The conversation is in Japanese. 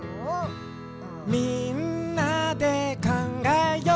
「みんなでかんがえよう」